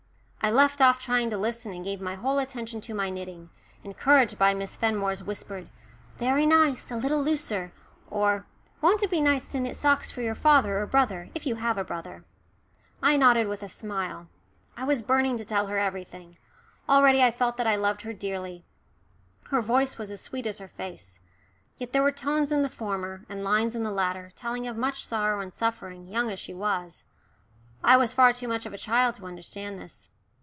I left off trying to listen and gave my whole attention to my knitting, encouraged by Miss Fenmore's whispered "very nice a little looser," or "won't it be nice to knit socks for your father or brother, if you have a brother?" I nodded with a smile. I was burning to tell her everything. Already I felt that I loved her dearly her voice was as sweet as her face. Yet there were tones in the former and lines in the latter telling of much sorrow and suffering, young as she was. I was far too much of a child to understand this.